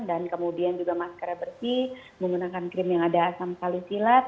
dan kemudian juga maskernya bersih menggunakan krim yang ada asam salisilat